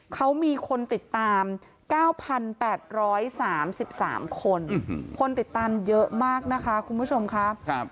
เขามีคนติดตาม๙๘๓๓คนคนติดตามเยอะมากนะคะคุณผู้ชมค่ะ